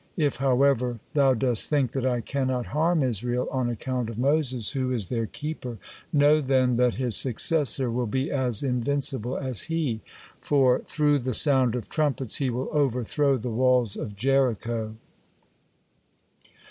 If, however, thou dost think that I cannot harm Israel on account of Moses, who is their keeper, know then that his successor will be as invincible as he, for through the sound of trumpets he will overthrow the walls of Jericho.